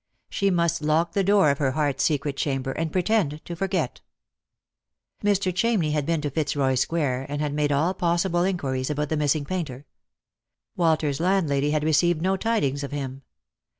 She must lock the door of her heart's secret chamber, and pretend to forget. Mr. Chamney had been to Fitzroy square, and had made all Eossible inquiries about the missing painter. Walter's landlady ad received no tidings of him.